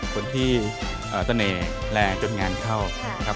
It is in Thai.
คนที่ตะเนยและจดงานเข้า